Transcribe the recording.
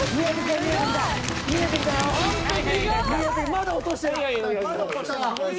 まだ落としてない。